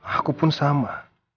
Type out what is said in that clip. aku pun sama